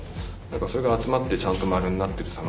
それが集まってちゃんと丸になってる様みたいのは。